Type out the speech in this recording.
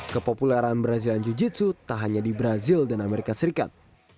kepopuleran brazilian jiu jitsu tak hanya di brazil dan amerika serikat